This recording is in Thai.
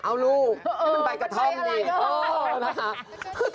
เอ๋อลูกนี่เป็นใบกะท่อมดิ